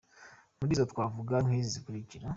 Muri zo twavuga nk’izi zikurikira :.